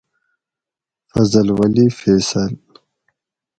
فضل ولی فیصل۟